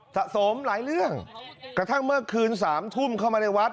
สะสมหลายเรื่องกระทั่งเมื่อคืนสามทุ่มเข้ามาในวัด